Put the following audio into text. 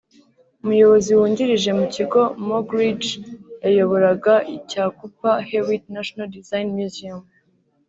umuyobozi wungirije mu kigo Moggridge yayoboraga cya Cooper-Hewitt National Design Museum